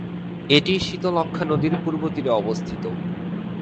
এটি শীতলক্ষ্যা নদীর পূর্ব তীরে অবস্থিত।